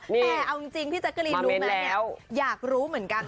แต่เอาจริงพี่แจ๊กกะรีนรู้ไหมเนี่ยอยากรู้เหมือนกัน